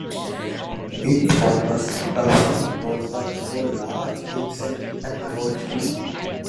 It forages around roadsides for large insects and roadkill.